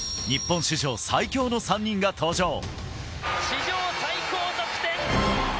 日本史上最強の３人が登場。